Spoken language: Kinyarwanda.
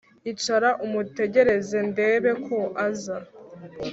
icara umutegereze ndebe ko aza